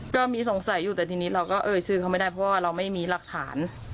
ก็มีสงสัยอยู่แต่ทีนี้เราก็เอ่ยชื่อเขาไม่ได้เพราะว่าเราไม่มีหลักฐาน